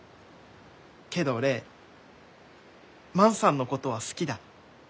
けど俺万さんのことは好きだ。